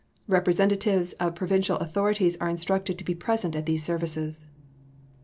Representatives of provincial authorities are instructed to be present at these services....